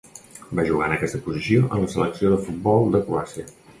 Va jugar en aquesta posició en la selecció de futbol de Croàcia.